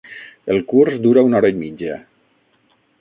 El curs dura una hora i mitja.